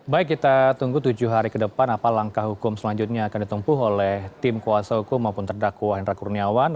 baik kita tunggu tujuh hari ke depan apa langkah hukum selanjutnya akan ditempuh oleh tim kuasa hukum maupun terdakwa hendra kurniawan